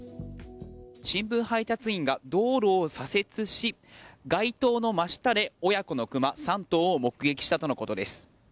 新聞配達員が道路を左折し街灯の真下で親子のクマ３頭を目撃したとのことです。